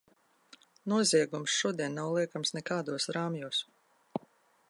Noziegums šodien nav liekams nekādos rāmjos.